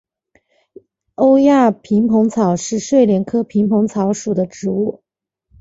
欧亚萍蓬草是睡莲科萍蓬草属的植物。